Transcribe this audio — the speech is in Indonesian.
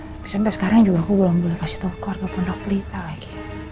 tapi sampai sekarang aku juga belum boleh kasih tau keluarga pondok pelita lagi